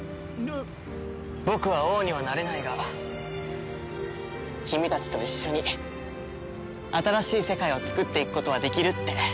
僕は王にはなれないが君たちと一緒に新しい世界をつくっていくことはできるって。